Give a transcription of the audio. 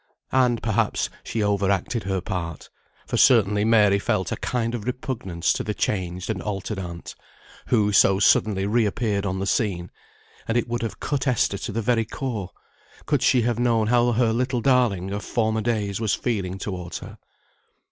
And, perhaps, she overacted her part, for certainly Mary felt a kind of repugnance to the changed and altered aunt, who so suddenly re appeared on the scene; and it would have cut Esther to the very core, could she have known how her little darling of former days was feeling towards her.